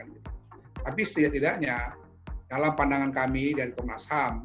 tapi setidaknya dalam pandangan kami dari komnas ham